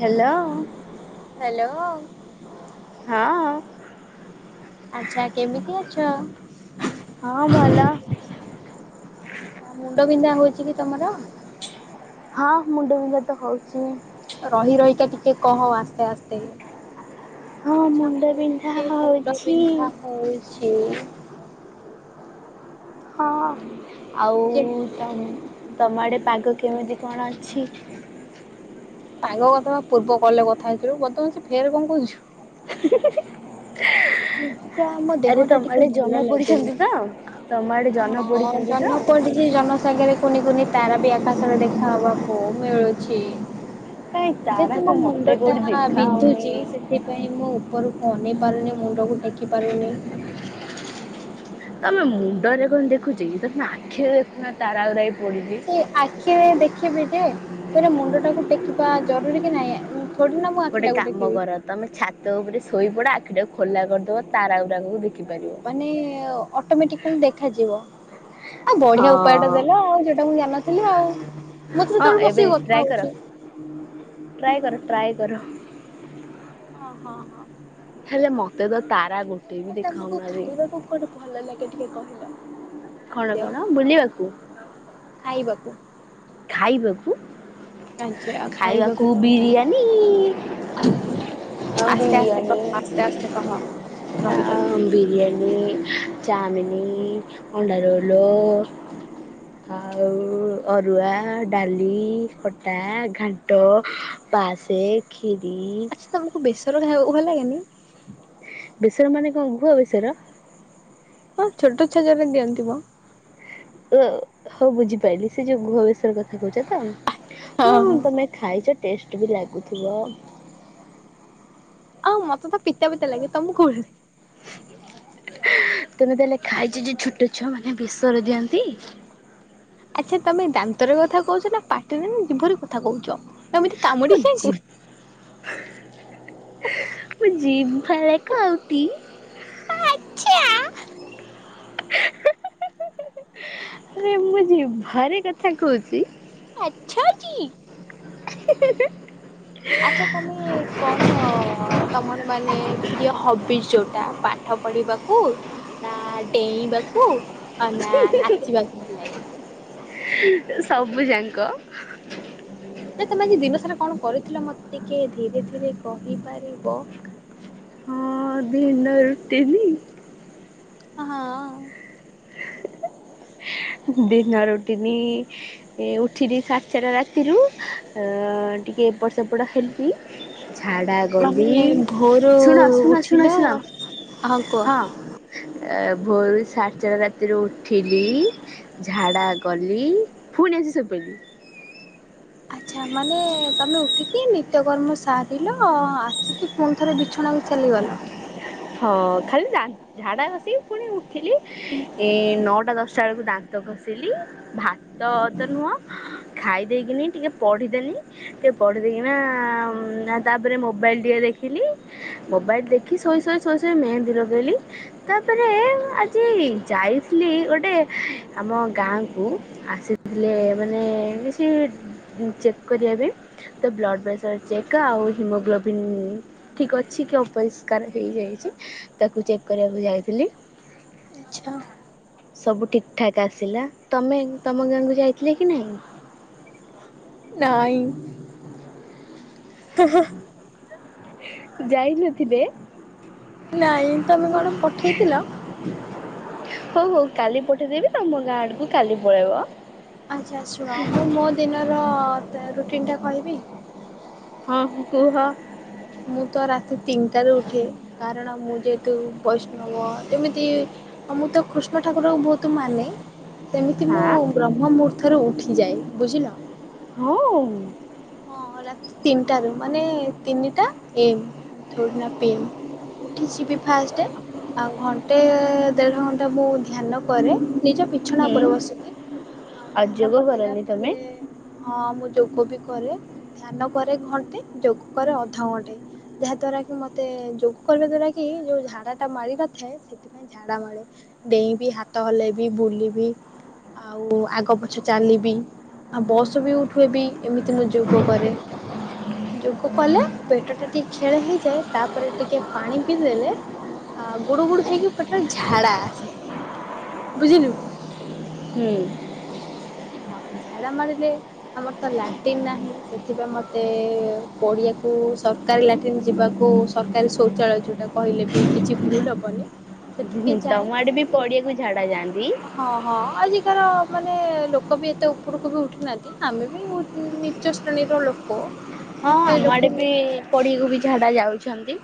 Hello hello. ହଁ। ଆଚ୍ଛା କେମିତି ଅଛ? ହଁ ଭଲ ଆ ମୁଣ୍ଡବିନ୍ଧା ହଉଛି କି ତମର? ହଁ ମୁଣ୍ଡବିନ୍ଧା ତ ହେଉଚି। ରହି ରହିକା ଟିକେ କହ ଆସ୍ତେ-ଆସ୍ତେ। ହଁ ମୁଣ୍ଡବିନ୍ଧା ହଉଛି। ଛି। ହଁ ଆଉ ତମ୍ ସାଙ୍ଗ ତମ ଆଡ଼େ ପାଗ କେମିତି କଣ ଅଛି? ପାଗ କଥା ବା ପୂର୍ବ କଲ୍ ରେ କଥା ହେଇଥିଲୁ [unintelligible] ଫେରେ କଣ କହୁଛୁ। [inaudible] ସେ ଆମ ଦେହ ଆରେ ଟା ତମ ଟିକେ ଆଡ଼େ ଜହ୍ନ ଭଲ ଲାଗୁନି, ପୋଡ଼ିଛନ୍ତି ତ ତମ ଆଡ଼େ ଜହ୍ନ ହଁ ପୋଡ଼ିଛନ୍ତି ତ ଜହ୍ନ ପଡ଼ି ଚି ଜହ୍ନ ସାଙ୍ଗେରେ କୁନି-କୁନି ତାରା ବି ଆକାଶରେ ଦେଖା ହବାକୁ ମିଳୁଛି। କାହିଁ ତାରା ଯେହେତୁ ତ ମୋ ମତେ ମୁଣ୍ଡ କୋଉଠି ଟା ଦେଖା ହଉନି ବିନ୍ଧୁଛି, ସେଥି ପାଇଁ ମୁଁ ଉପରକୁ ଅନେଇ ପାରୁନି, ମୁଣ୍ଡକୁ ଟେକି ପାରୁନି। ତମେ ମୁଣ୍ଡରେ କଣ ଦେଖୁଛ କି, ତମେ ଆଖିରେ ଦେଖୁନ ତାରାଗୁରା ଏଇ ସେ ଆଖିରେ ଦେଖିବି ଯେ, ମୁଣ୍ଡ ଟାକୁ ଟେକିବା ଜରୁରୀ କି ନାଇଁ? ଗୋଟେ କାମ କର ତମେ ଛାତ ଉପରେ ଶୋଇପଡ, ଆଖି ଟାକୁ ଖୋଲା କରିଦବ ତାର ଗୁରାକୁ ମାନେ ଅଟୋମେଟିକାଲି ଦେଖାଯିବ। ଆଉ ବଢିଆ ଉପାୟଟା ହଁ ଦେଲ ଆଉ, ଯୋଉଟା ମୁଁ ଜାଣିନଥିଲି ଆଉ। ମୁଁ ତ ହଁ ସେତବଳୁ ଏବେ ବସିକି କଥା ଟ୍ରାଏ କର ହଉଛି। ଟ୍ରାଏ କର-ଟ୍ରାଏ କର। ହଁ-ହଁ-ହଁ। ହେଲେ ମତେ ତ ତାରା ଗୋଟେ ବି ଆଉ ତମକୁ ଦେଖାହଉନାହାତି। ଖାଇବାକୁ କଣ ଭଲ ଲାଗେ ଟିକେ କହିଲ ଖାଦ୍ୟ କଣ-କଣ ବୁଲିବାକୁ? ଖାଇବାକୁ। ଖାଇବାକୁ, ଆଚ୍ଛା ଖାଇବାକୁ କଣ ଭଲ ବିରିୟାନୀ। ଆଁ ଆସ୍ତେ ଆସ୍ତେ ବିରିୟାନୀ କହ ଆସ୍ତେ ଆସ୍ତେ କହ ରହି ଆଁ ରହି ବିରିୟାନି, ଚାମିନୀ, ଅଣ୍ଡାରୋଲ ଆଉ ଅର୍ ରୁଆ, ଡାଲି, ଖଟା, ଘାଣ୍ଟ, ପାସେ, ଖିରି ଆଚ୍ଛା ତମୁକୁ ବେସର ଖାଇବାକୁ ଭଲ ଲାଗେନି? ବେସର ମାନେ କଣ! ! ! ! ! ! ! ! ! ! ବେସର? ହଁ ଛୋଟ ଛୁଆ [unintelligible] ଦିଅନ୍ତି ମ। ଓ ହଉ ବୁଝିପାରିଲି ସେ ଯୋଉ! ! ! ! ! ! ! ! ! ! ବେଶର କଥା କହୁଚ ତ, ହଁ ତମେ ଖାଇଚ ଟେଷ୍ଟ ବି ଲାଗୁଥିବ। ଆଉ ମତେ ତ ପିତା-ପିତା ଲାଗେ, ତମୁକୁ କୋଉ ଭଳିଆ ଲାଗେ? ତମେ ତାହେଲେ ଖାଇଚ ଯେ ଛୋଟ ଛୁଆ ମାନେ ବେସର ଦିଅନ୍ତି। ଆଚ୍ଛା ତମେ ଦାନ୍ତରେ କଥା କହୁଚ ନା ପାଟିରେ ନା ଜିଭରେ କଥା କହୁଚ? ମୁଁ ଜିଦ୍ ମୁ ଯି ଭଲ କାଉଟି? ଆଚ୍ଛା [unintelligible] ଆରେ ମୁଁ ଯ ଭାରି କଥା କହୁଛି। ଆଚ୍ଛା। କି? [inaudible] ଆଚ୍ଛା। ତମେ କଣ ତମର ମାନେ ପ୍ରିୟ ହବି ଯୋଉଟା ପାଠ ପଢିବାକୁ ନା ଡେଇଁବାକୁ ନା ନାଚିବାକୁ ଭଲ ଲାଗେ। ସବୁ ଯାଙ୍କ। ନା ତମେ ଦିନ ସାରା କଣ କରିଥିଲ ମତେ ଟିକେ ଧୀରେ ଧୀରେ କହିପାରିବ? ହଁ ଦିନି ରୁଟିନି। ହଁ। ଦିନ ରୋଟିନି ଉଠିଲି ସାତଟା ରାତିରୁ ଅ ଟିକେ ଏପଟ ସେପଟ ହେଲି। ଝାଡା ମାନେ ଗଲି ଭୋରୁ ଶୁଣ ଶୁଣ ଶୁଣ ଉଠିଲ ଶୁଣ ହଁ। ଅ ଭୋରୁ ଷା ଚାର ରାତିରୁ ଉଠିଲି ଝାଡ଼ା ଗଲି ପୁଣି ଆସି ସୋଇପଡିଲି। ଆଛା ମାନେ ତମେ ଉ ଟିକି ନିତ୍ୟକର୍ମ ସାରିଲ ଆସିକି ପୁଣି ଥରେ ବିଛଣାକୁ ଚାଲିଗଲ। ହଁ ଖାଲି ଝାଡା ବସି ପୁଣି ଉଠିଲି ଏ ନଅଟା ଦଶ ଷା ବଳକୁ ଦାନ୍ତ ଘଷିଲି ଭାତ ତ ନୁହଁ ଖାଇ ଦେଇେଇକିନି ଟିକେ ପଢ଼ିଦେନି ଟିକେ ପଢ଼ିଦେଇକିନା ତାପରେ ମୋବାଇଲ ଟିକେ ଦେଖିଲି। ମୋବାଇଲ ଦେଖି ଶୋଇ ଶୋଇ ଶୋଇ ଶୋଇ ମେହେନ୍ଦୀ ଲଗେଇଲି। ତାପରେ ଆଜି ଯାଇଥିଲି ଗୋଟେ ଆମ ଗାଁକୁ। ଆସିଥିଲେ ମାନେ କିଛି ଚେକ୍ କରିବା ବି ତ ବ୍ଲଡ଼୍ ପ୍ରେସର ଚେକ୍ ଆଉ ହିମୋଗ୍ଲୋବନ୍ ଠିକ୍ ଅଛି କି ଅପରିଷ୍କାର ହେଇଯାଇଛି ତାକୁ ଚେକ୍ କରିବାକୁ ଯାଇଥିଲି। ଆଚ୍ଛା। ସବୁ ଠିକଠାକ୍ ଆସିଲା। ତମେ ତମ ଗାଁକୁ ଯାଇଥିଲେ କି ନାହିଁ? ନାଇଁ। ଯାଇନଥିଲେ? ନାଇଁ ତମେ କଣ ପଠେଇଥିଲ? ହଉ ହଉ କାଲି ପଠେଇଦେବି ତମ ଗାଁ ଆଡକୁ କାଲି ପଳେଇବ। ଆଚ୍ଛା ଶୁଣ ମୁଁ ମୋ ଦିନର ରୁଟିନ୍ ଟା କହିବି? ହଁ କୁହ। ମୁଁ ତ ରାତି ତିନିଟାରୁ ଉଠେ କାରଣ ମୁଁ ଯେହେତୁ ବୈଷ୍ଣବ ଯେମିତି ଆଉ ମୁଁ ତ କୃଷ୍ଣ ଠାକୁରଙ୍କୁ ବହୁତ ମାନେ। ସେମିତି ମୁଁ ହଁ ବ୍ରହ୍ମ ମୁହୂର୍ତ୍ତରୁ ଉଠିଯାଏ ବୁଝିଲ। ହଁ। ହଁ ରାତି ତିନିଟ ର ମାନେ ତିନିଟା ଏମ୍ ପିଇମ। ଉଠିଯିବି ଫାଷ୍ଟ। ଆଉ ଘଣ୍ଟେ ଦେଢ ଘଣ୍ଟା ମୁହୁ ଧ୍ୟାନ କରେ ନିଜ ପି ବିଛଣା ହୁଁ ଉପରେ ବସିଲି ଆଉ ଧ୍ୟାନ ଯୋଗ କଲା କରନି ତମେ? ପରେ ହଁ ମୁଁ ଯୋଗ ବି କରେ ଧ୍ୟାନ କରେ ଘଣ୍ଟେ ଯୋଗ କରେ ଅଧ ଘଣ୍ଟେ। ଯାହା ଦ୍ଵାରା କି ମତେ ଯୋଗ କରିବା ଦ୍ଵାରା କି ଯୋଉ ଝାଡା ଟା ମାର ନଥାଏ ସେଥିପାଇଁ। ସେ ଝାଡା ମାଡେ ଡେଇଁବି ହାତ ହଲେ ବି ବୁଲିବି। ଆଉ ଆଗ ପଛ ଚାଲିବି ଆଉ ବସ ବି ଉଠୁଏବି। ଏମିତି ମୁଁ ଯୋଗ କରେ। ଯୋଗ କଲେ ପେଟ ଟା ଟିକେ ଖେଳି ହେଇଯାଏ ତାପରେ ଟିକେ ପାଣି ପିଇ ଦେଲେ ଆ ଗୁଡୁ ଗୁଡ଼ୁ ହେଇକି ପେଟ ରେ ଝାଡା ବୁଝିଲୁ ହୁଁ। ହଁ ଝାଡ଼ା ମାଡିଲେ ଆମର ତ ଲାଟିନ୍ ନାହିଁ ସେଥିପାଇଁ ମତେ ପଡିଆକୁ ସ ସରକାରୀ ଲାଟ୍ରନ୍ ଯିବାକୁ ସରକାରୀ ଶୌଚାଳୟ ଯୋଉଟା କହିଲେ ବି କିଛି ଭୁଲ ହବନି। ସେଠିକେ ହୁଁ ଯାଏ ତମ ଆଡେ ବି ପଡିଆକୁ ଝାଡା ଯାଆନ୍ତି। [unintelligible] ହଁ ହଁ ଆଜିକାର ମାନେ ଲୋ ଲୋକ ବି ଏତେ ଉପରକୁ ବି ଉଠି ନାହାନ୍ତି ଆମେ ବି ନିଚ ଶ୍ରେଣୀର ଲୋକ ହଁ ଫାଇ ଆମ ଆଡେ ଲୋକ ବି ନୁହେଁ। ପଡିକୁ ବି ଝାଡା ଯାଉଛନ୍ତି।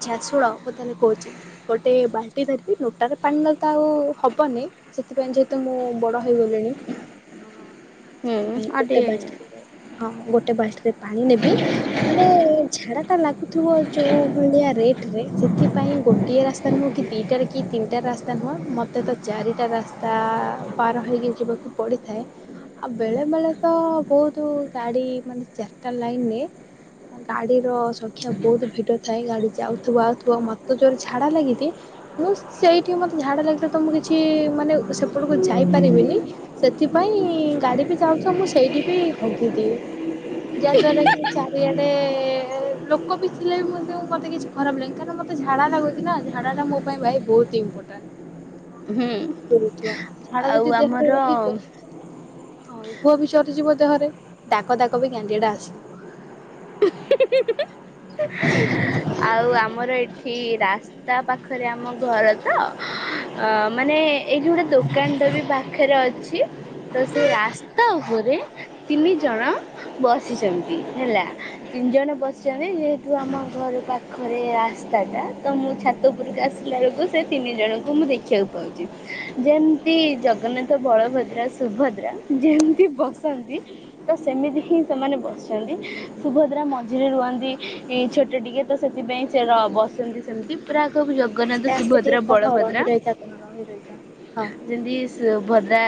ଆଛା ଶୁଳ ମୁଁ ତାହେଲେ କହୁଛି ଗୋଟେ ବାଲ୍ଟି ଧରିବି ନୋଟା ରେ ପାଣି ନେଲେ ତ ଆଉ ହବନି ସେଥିପାଇଁ ଯେହେତୁ ମୁଁ ବଡ ହେଇଗଲିଣି ହୁଁ ସେଥିପାଇଁ ଆଉ ଟିକେ ଗୋଟେ ବାଟରେ ହଁ ଗୋଟେ ବାଲ୍ଟିରେ ପାଣି ନେବି ମାନେ ଝାଡା ଟା ଲାଗୁଥିବ ଯେଉଁ ଭଳିଆ ରେଟରେ ସେଥିପାଇଁ ଗୋଟିଏ ରାସ୍ତା ନୁହେଁ କି ଦିଟାରେ କି ତିନିଟା ରାସ୍ତା ନୁହେଁ ମୋତେ ତ ଚାରିଟା ରାସ୍ତା ପାର ହୋଇକି ଯିବାକୁ ପଡ଼ିଥାଏ। ଆଉ ବେଳେ ବେଳେ ତ ବହୁତ ଗାଡି ମାନେ ଚାରିଟା ଲାଇନରେ ଗାଡିର ସଂଖ୍ୟା ବହୁତ ଭିଡ ଥାଏ ଗାଡି ଯାଉଥିବ ଆଉଥିବ ମତେ ଜୋରରେ ଝାଡା ଲାଗିଛି ମୁଁ ସେଇଠିକି ମତେ ଝାଡା ଲାଗିଲେ ତ ମୁଁ କିଛି ମାନେ ସେପଟକୁ ଯାଇପାରିବିନି ସେଥିପାଇଁ ଗାଡି ବି ଯାଉଥିବ ମୁଁ ସେଇଠି ବି ହଗିଦିଏ। ଯାହାଦ୍ୱାରା କି ଚାରିଆଡେ ଲୋକ ବିି ଥିଲେ ବି ମୋତେ କିଛି ଖରାପ ଲାଗେ କାରଣ ମତେ ଝାଡା ଲାଗୁଛି ନା ଝାଡା ଟା ମୋ ପାଇଁ ଭାଇ ବହୁତ ହୁଁ ଇମ୍ପୋଟାଣ୍ଟ। [unintelligible] ଝାଡା ଆଉ ଯଦି ଦେହରେ ରହି ଆମର ହଁ ଘୁହ ବି ଚରିଯିବ ଦେହରେ ଡାକ ଦାକ ବି ଗାଣ୍ଡି ଟା ଆସିବ [inaudible] [inaudible] ଆଉ ଆମର ଏଠି ରାସ୍ତା ପାଖରେ ଆମ ଘର ତ ଅ ମାନେ ଏଇଠି ଗୋଟେ ଦୋକାନଟେ ବି ପାଖରେ ଅଛି। ତ ସେ ରାସ୍ତା ଉପରେ ତିନି ଜଣ ବସିଛନ୍ତି ହେଲା ତିନି ଜଣ ବସିଛନ୍ତି ଯେହେତୁ ଆମ ଘର ପାଖ ପାଖରେ ରାସ୍ତା ଟା ତ ମୁଁ ଛାତ ଉପୁରକୁ ଆସିଲା ବେଳକୁ ସେ ତିନି ଜଣଙ୍କୁ ମୁଁ ଦେଖିବାକୁ ପାଉଛି। ଯେମତି ଜଗନ୍ନାଥ ବଳଭଦ୍ରା ସୁଭଦ୍ରା ଯେମତି ବସନ୍ତି ତ ସେମିତି ହିଁ ସେମାନେ ବସିଛନ୍ତି ସୁଭଦ୍ରା ମଝିରେ ରୁହନ୍ତି ଛୋଟ ଟିକେ ତ ସେଥିପାଇଁ ସେ ର ବସିଛନ୍ତି ସେମିତି ପୁରା ଆସ୍ତେ ଜଗନ୍ନାଥ ଆସ୍ତେ ଟିକେ ସୁଭଦ୍ରା କହ ରହି ବଳଭଦ୍ରା ରହିକା କହ ରହି ରହିକା ହଁ। ଯେମିତି ସୁଭଦ୍ରା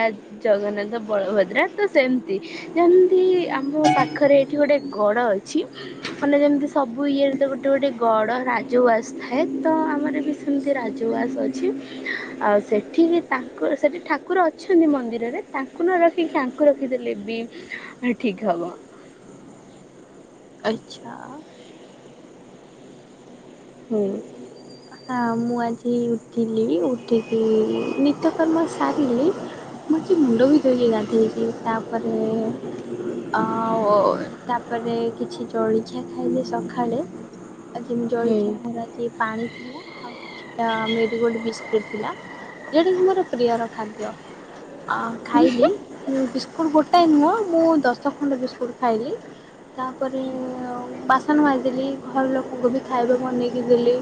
ଜଗନ୍ନାଥ ବଳଭଦ୍ରା ତ ସେମତି ଯେମିତି ଆ ମୋ ପାଖରେ ଏଇଠି ଗୋଟେ ଗଡ଼ ଅଛି ମାନେ ଯେମିତି ସବୁ ଇଏରେ ଗ ଗୋଟେ ଗଡ଼ ରାଜୱାସ ଥାଏ ତ ଆମର ବି ସେମିତି ରାଜୱାସ ଅଛି ଆଉ ସେଠିକି ତାଙ୍କ ସେଠି ଠାକୁର ଅଛନ୍ତି ମନ୍ଦିରରେ ତାଙ୍କୁ ନ ରଖିକି ତାଙ୍କୁ ରଖିଦେଲେ ବି ଆ ଠିକ୍ ହବ। ଆଚ୍ଛା। ହୁଁ। ହଁ ମୁଁ ଆଜି ଉଠିଲି ଉଠିକି ନିତକର୍ମ ସାରିଲି ମୁଁ ଆଜି ମୁଣ୍ଡ ବି ଧୋଇଲି ଗାଧେଇକି ତାପରେ ଆଉ ତାପରେ କିଛି ଜଳଖିଆ ଖାଇଲି ସକାଳେ ଆ ଜଳିଖିଆ ହୁଁ ଆଜି ମୋର ପାଣି ଥିଲା ଆଉ କିଛିଟା ମେରିଗୋଲ୍ଡ ବିସ୍କୁଟ ଥିଲା ଯେଉଁଟାକି ମୋର ପ୍ରିୟର ଖାଦ୍ୟ ଅ ଖାଇଲି ବିସ୍କୁଟ ଗୋଟାଏ ନୁହଁ ମୁଁ ଦଶ ଖଣ୍ଡ ବିସ୍କୁଟ ଖାଇଲି। ତାପରେ ବାସନ ମାଜିଦେଲି ଘର ଲୋକଙ୍କୁ ବି ଖାଇବାକୁ ବନେଇକି ଦେଲି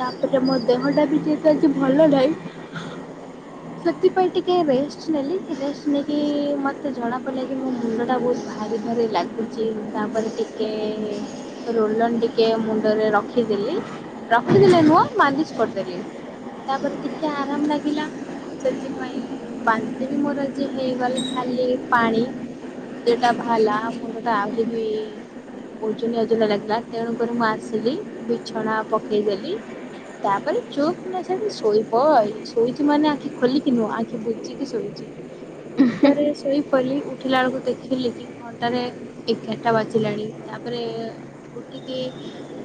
ତାପରେ ମୋ ଦେହ ଟା ବି ଯେହେତୁ ଆଜି ଭଲ ନାହିଁ [inaudible] ସେଥିପାଇଁ ଟିକେ ରେଷ୍ଟ ନେଲି ରେଷ୍ଟ ନେଇକି ମୋତେ ଜଣାପଡ଼ିଲା କି ମୋ ମୁଣ୍ଡଟା ବହୁତ ଭାରି ଭାରି ଲାଗେ ଗୁଛି ତାପରେ ଟିକେ ରୋଲନ୍ ଟିକେ ମୁଣ୍ଡରେ ରଖିଦେଲି ରଖିଦେଲେ ନୁହେଁ ମାଲିସ୍ କରିଦେଲେ ତାପରେ ଟିକେ ଆରାମ ଲାଗିଲା ସେଥିପାଇଁ ବାନ୍ତି ବି ମୋର ଆଜିହେଇଗଲେ ଖାଲି ପାଣି ସେଟା ଭଲା ମୁଁଟ ଆଲେ ବି ଓଜନିଆ ଅଜନିଆ ଲାଗିଲା ତେଣୁକରି ମୁଁ ଆସିଲି ବିଛଣା ପକେଇଦଲି ତାପରେ ଚୁପ କିନା ସେଠି ଶୋଇବ ଶୋଇଛି ମାନେ ଆଖି ଖୋଲିକି ନୁହଁ ଆଖି ବୁଝିକି ଶୋଇ ନିଦାରେ ଶୋଇ ପଇଲି ଉଠିଲା ବେଳକୁ ଦେଖିଲି କି ଘଣ୍ଟାରେ ଏଗାରଟା ବାଜିଲାଣି ତାପରେ ଉଠିକି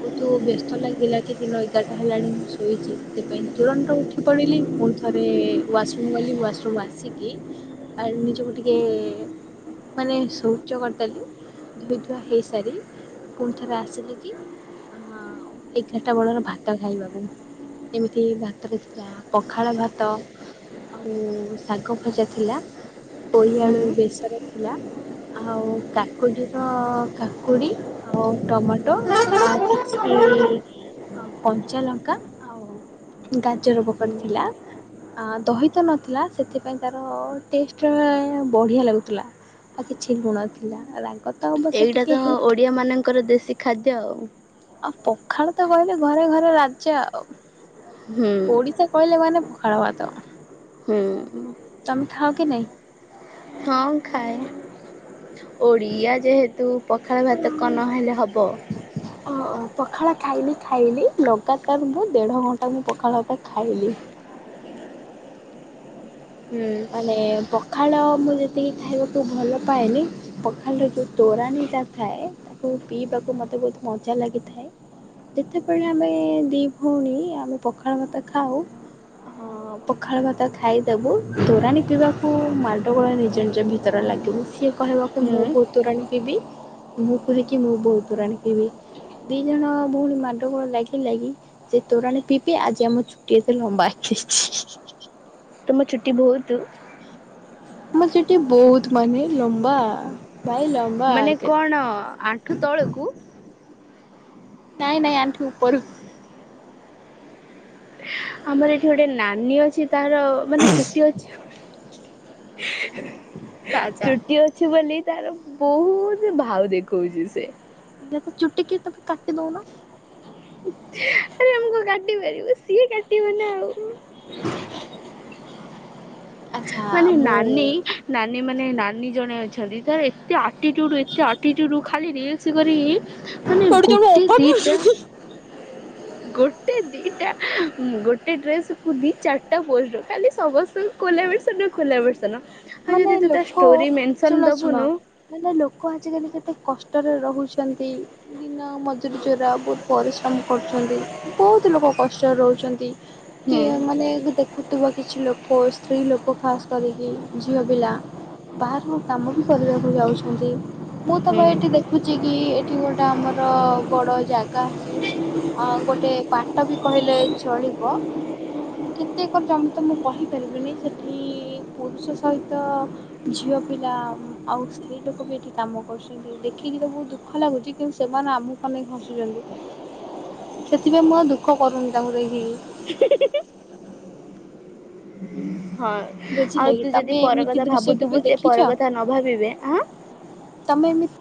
ବହୁତ ବ୍ୟସ୍ତ ଲାଗିଲା କି ଦିନ ଏଗାରଟା ହେଲାଣି ମୁଁ ଶୋଇଛି ସେଥିପାଇଁ ତୁରନ୍ତ ଉଠି ପଡ଼ିଲି ମୁଁ ଥରେ ୱାସରୁମ୍ ଗଲି ୱାସମ୍ ଆସିକି ଆ ନିଜକୁ ଟିକେ ମାନେ ଶୌଚ କରିଦଲି ଧୋଇଧୁଆ ହେଇସାରି ପୁଣି ଥରେ ଆସିଲେ କି ଅ ଏଗା ରଟ ଚାଟା ବଳର ଭାତ ଖାଇବାକୁ ଏମିତି ଭାତରେ ଥିଲା ପଖାଳ ଭାତ ଆଉ ଶାଗ ଭଜା ଥିଲା ପୋଇ ହୁଁ ଆଳୁ ବେସର ଥିଲା ଆଉ କାକୁଡିର କାକୁଡି ଆଉ ଟମାଟୋ ଆ କଞ୍ଚାଲଙ୍କା ଆଉ ଗାଜର ହୁଁ ପକାରଥିଲା ଆ ଦହିତ ନଥିଲା ସେଥିପାଇଁ ତାର ଟେଷ୍ଟ ବଢ଼ିଆ ଲାଗୁଥିଲା ଆଉ କିଛି ଲୁଣଥିଲା ରା ଏଇଟା ତ ଓଡିଆ ମାନଙ୍କର ଦେଶୀ ଖାଦ୍ୟ ଆଉ ଆଉ ପଖାଳ ତ କହିଲେ ଘରେ ଘରେ ରାଜା ଆଉ ହୁଁ ଓଡିଶା କହିଲେ ମାନେ ପଖାଳ ଭାତ ହୁଁ ତମେ ଖାଅ କି ନାଇଁ? ହଁ ଖାଏ ଓଡ଼ିଆ ଯେହେତୁ ପଖାଳ ଭାତକ ନ ହେଲେ ହବ ଅ ପଖାଳ ଖାଇଲି ଖାଇଲି ଲଗାତାର ମୁଁ ଦେଢ ଘଣ୍ଟା ମୁଁ ପଖାଳଟା ଖାଇଲି ହୁଁ ମାନେ ପଖାଳ ମୁଁ ଯେତିକି ଖାଇବାକୁ ଭଲ ପାଏନି ପଖାଲ ର ଯୋଉ ତୋରାଣୀ ଟା ଥାଏ ତାକୁ ପିଇବାକୁ ମତେ ବହୁତ ମଜା ଲାଗିଥାଏ ଯେତେବେଳେ ଆମେ ଦିଇ ଭଉଣୀ ଆମେ ପଖାଳ ଭାତ ଖାଉ ହଁ ପଖାଳ ଭାତ ଖାଇଦବୁ ତୋରାଣି ପିଇବାକୁ ମାଡଗୋଳ ନିଜ ନିଜ ଭିତରେ ଲାଗିବ ସିଏ କହିବାକୁ ମୁଁ ହୁଁ ବହୁତ ତୋରାଣି ପିଇବି ମୁଁ କୁହେକି ମୁଁ ବହୁତ ତୋରାଣି ପିଇବି ଦି ଜଣ ଭଉଣି ମାଣ୍ଡଗୋଳ ଲାଗି ଲାଗି ସେ ତୋରଣେ ପିପି ଆଜି ଆମର ଛୁଟି ଏତ ଲମ୍ବା ଆସିଛି ତମ ଛୁଟି ବହୁତ ମୋ ଚୁଟି ବହୁତ ମାନେ ଲମ୍ବା ଭାଇ ଲମ୍ବା ମାନେ କଣ ଆଣ୍ଠୁ ତଳକୁ ନାଇଁ ନାଇଁ ଆଣ୍ଠୁ ଉପର ଆମର ଏଠି ଗୋଟେ ନାନୀ ଅଛି ତାର ମାନେ ଚୁଟି ଅଛି ହେଁ ଆଚ୍ଛା ଚୁଟି ଅଛି ବୋଲି ତାର ବହୁତ ଭାଉ ଦେଖଉଛି ସେ ଯେତେ ଚୁଟି କି ତ କାଟି ଦଉ ନ ଆରେ ଆମ କଣ କାଟି ପାରିବୁ ସିଏ କାଟିବ ନା ଆଉ ଆଚ୍ଛା ମାନେ ନାନୀ ମୁଁ ନାନୀମାନେ ନାନୀ ଜଣେ ଅଛନ୍ତି ତାର ଏତେ ଆଟିଟ୍ୟୁଡ଼ ଏତେ ଆଟିଟ୍ୟୁଡ଼ ଖାଲି ରିଲ୍ସ କରିି ମାନେ ଗୋଟେ ଦିଟା ଗୋଟେ ଦିଟା ଗୋଟେ ଡ୍ରେସ୍କୁୁ କୁ ଦି ଚାରିଟା ପୋଷ୍ଟ ଖାଲି ସମସ୍ତଙ୍କୁ କଲାବେଳେ ସେ ଖୋଲା ବେର୍ଷନ ଆଉ ମାନେ ଯଦି ତୁ ତା ଷ୍ଟୋରି ମେନ୍ସନ୍ ଦେବୁନୁ ନହଲେ ଲୋକ ଆଜିକାଲି କେତେ କଷ୍ଟରେ ରହୁଛନ୍ତି ଦିନ ମଜୁରୀ ଜୋରା ବହୁତ ପରିଶ୍ରମ କରୁଛନ୍ତି ବହୁତ ଲୋକ କଷ୍ଟରେ ରହୁଛନ୍ତି। ହୁଁ କି ମାନେ ଦେଖୁଥିବା କିଛି ଲୋକ ସ୍ତ୍ରୀ ଲୋକ ଖାସ୍ କରିକି ଝିଅ ପିଲା ବାହାରକୁ କାମ ବି କରିବାକୁ ଯାଉଛନ୍ତି। ମୁଁ ତ ହୁଁ ଭାଈ ଏଠି ଦେଖୁଛିି ଅଛି କି ଏଠି ଗୋଟେ ଆମର ବଡ଼ ଜାଗା ଅଛି ଆଁ ଗୋଟେ ବାଟ ବି କହିଲେ ଚଳିବ, ଉଁ କେତେ ଏକର ଜମି ତ ମୁଁ କହିପାରିବିନି ସେ କି ପୁରୁଷ ସହିତ ଝିଅ ପିଲା ଆଉ ସ୍ତ୍ରୀ ଲୋକ ବି ଏଠି କାମ କରୁଛନ୍ତି। ଦେଖିକି ତ ବହୁତ ଦୁଃଖ ଲାଗୁଛି କିନ୍ତୁ ସେମାନେ ଆମକୁ ଅନେଇକି ହସୁଛନ୍ତି। ସେଥିପାଇଁ ମୁଁ ଆଉ ଦୁଃଖ କରୁନି ତାଙ୍କୁ ଦେଖୀକି। ହଁ ବୁଝିଲେ ଆଉ କି ତୁ ଯଦି ତମେ ପର ଏମିତି କଥା ଦୃଶ୍ୟ କେବେ ଭାବୁଥିବୁ ସେ ଦେଖିଛ ପର କଥା ନ ଭାବିବେ ଆଁ ତମେ ଏମିତି